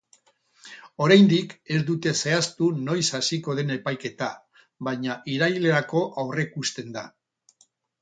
Oraindik ez dute zehaztu noiz hasiko den epaiketa, baina irailerako aurreikusten da.